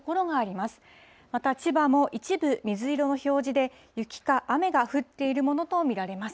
また千葉も一部水色の表示で、雪か雨が降っているものと見られます。